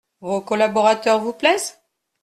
Vos collaborateurs vous plaisent ?